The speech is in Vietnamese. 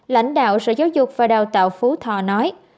lãnh đạo sở giáo dục và đào tạo phú thọ nói